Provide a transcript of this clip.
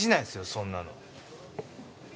そんなの。